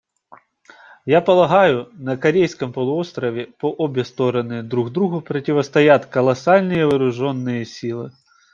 Я полагаю, на Корейском полуострове по обе стороны друг другу противостоят колоссальные вооруженные силы.